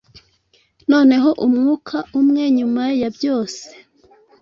Noneho umwuka umwe nyuma ya byose